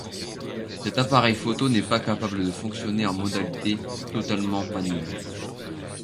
Cet appareil photo n’est pas capable de fonctionner en modalité totalement manuel.